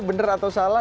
benar atau salah